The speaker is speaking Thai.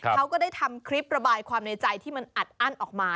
เขาก็ได้ทำคลิประบายความในใจที่มันอัดอั้นออกมา